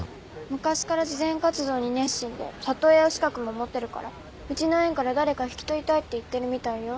昔から慈善活動に熱心で里親資格も持ってるからうちの園から誰か引き取りたいって言ってるみたいよ。